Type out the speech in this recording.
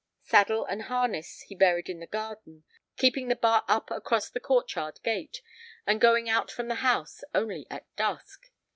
Saddle and harness he buried in the garden, keeping the bar up across the court yard gate, and going out from the house only at dusk.